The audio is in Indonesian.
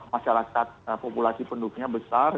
masyarakat populasi penduduknya besar